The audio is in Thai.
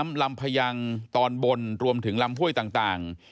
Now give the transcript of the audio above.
ลำพยังตอนบนรวมถึงลำห้วยต่าง